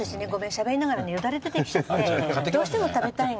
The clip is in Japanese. しゃべりながらよだれ出てきちゃってどうしても食べたいの。